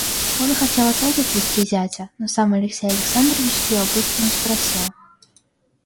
Он хотел опять отвести зятя, но сам Алексей Александрович с любопытством спросил.